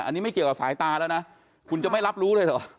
อันนี้ไม่เกี่ยวกับสายตาแล้วนะคุณจะไม่รับรู้เลยเหรอ